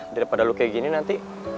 daripada lo kayak gini nanti